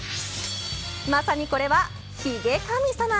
まさにこれはひげ神様。